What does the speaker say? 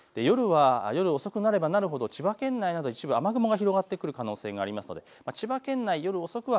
夜遅くなればなるほど千葉県内など一部雨雲が広がってくる可能性があります。